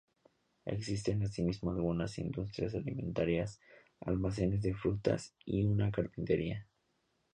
Existen asimismo algunas industrias alimentarias, almacenes de frutas y una carpintería.